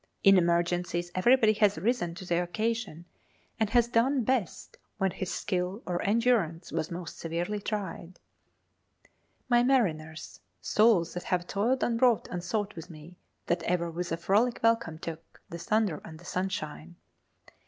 In emergencies everybody has risen to the occasion, and has done best when his skill or endurance was most severely tried 'My mariners, Souls that have toiled and wrought and thought with me, That ever with a frolic welcome took The thunder and the sunshine.'